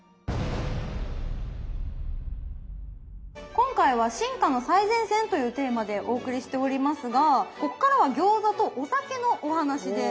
今回は「進化の最前線」というテーマでお送りしておりますがここからは餃子とお酒のお話です。